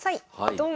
ドン。